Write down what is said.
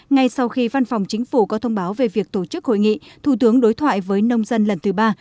ngay sau khi văn phòng chính phủ có thông báo về việc tổ chức hội nghị thủ tướng đối thoại với nông dân lần thứ ba